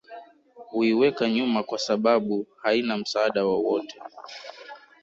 huiweka nyuma kwasababu haina msaada wowote